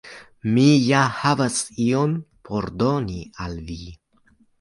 Mi ja havas ion por doni al vi